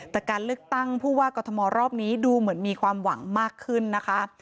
แต่การเลือกตั้งผู้ว่ากรทมรอบนี้ดูเหมือนมีความหวังมากขึ้นนะคะ